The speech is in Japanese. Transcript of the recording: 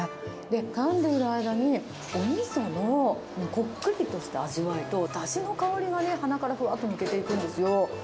かんでいる間に、おみそのこっくりとした味わいと、だしの香りがね、鼻からふわっと抜けていくんですよ。